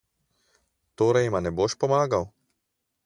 Torej jima ne boš pomagal?